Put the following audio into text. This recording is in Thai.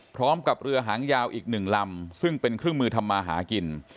พร้อมกับเรือหางยาวอีกหนึ่งลำซึ่งเป็นเครื่องมือทำมาหากิน